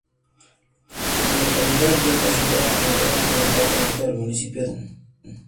La localidad de Huici está situada en la parte Norte del municipio de Larráun.